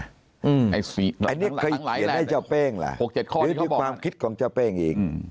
อันนี้เคยเขียนให้เจ้าเป้งล่ะหรือด้วยความคิดของเจ้าเป้งอีก